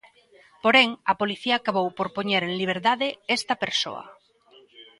Porén, a policía acabou por poñer el liberdade esta persoa.